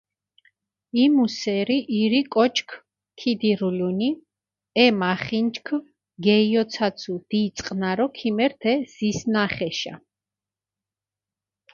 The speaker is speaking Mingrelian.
იმუ სერი ირი კოჩქჷ ქიდირულუნი, ე მახინჯქჷ გეიოცაცუ დი წყინარო ქიმერთ ე ზისჷნახეშა.